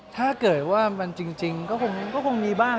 ถ้าเกิดว่ามันจริงก็คงมีบ้าง